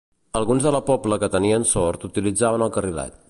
Alguns de la Pobla que tenien sort utilitzaven el carrilet.